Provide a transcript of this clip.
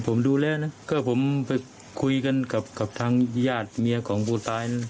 ผมดูแล้วนะก็ผมไปคุยกันกับทางญาติเมียของผู้ตายนะ